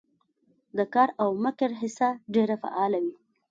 د قار او مکر حصه ډېره فعاله وي